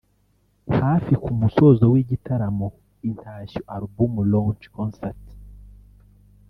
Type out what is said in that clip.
Hafi ku musozo w'igitaramo 'Intashyo album launch concert'